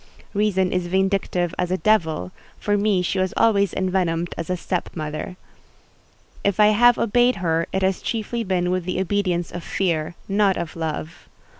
Reason is vindictive as a devil: for me she was always envenomed as a step mother. If I have obeyed her it has chiefly been with the obedience of fear, not of love.